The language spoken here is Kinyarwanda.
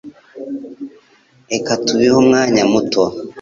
Reka tubihe umwanya muto.